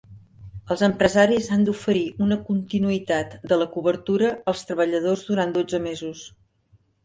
Els empresaris han d'oferir una continuïtat de la cobertura als treballadors durant dotze mesos.